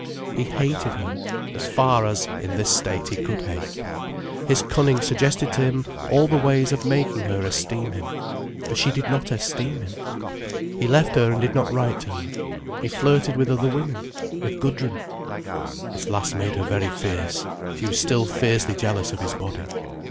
He hated her, as far as, in this state, he could hate. His cunning suggested to him all the ways of making her esteem him. For she did not esteem him. He left her and did not write to her. He flirted with other women, with Gudrun. This last made her very fierce. She was still fiercely jealous of his body.